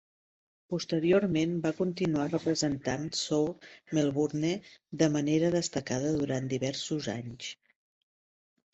Posteriorment va continuar representant South Melbourne de manera destacada durant diversos anys.